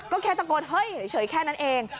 ก็แค่ตะโกนเฮ้ยเฉยแค่นั้นเอง